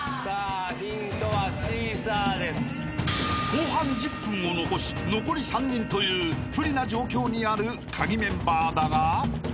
［後半１０分を残し残り３人という不利な状況にあるカギメンバーだが］